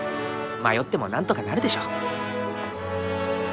迷ってもなんとかなるでしょ。